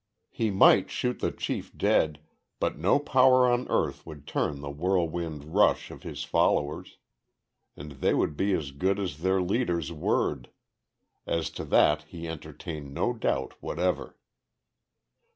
He might shoot the chief dead, but no power on earth would turn the whirlwind rush of his followers. And they would be as good as their leader's word, as to that he entertained no doubt whatever.